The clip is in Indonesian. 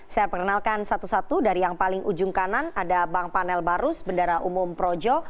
saya perkenalkan satu satu dari yang paling ujung kanan ada bang panel barus bendara umum projo